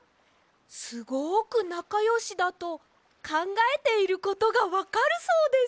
すごくなかよしだとかんがえていることがわかるそうです！